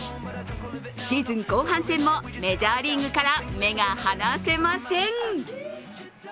シーズン後半戦も、メジャーリーグから目が離せません。